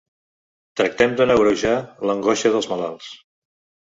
Tractem de no agreujar l’angoixa dels malalts.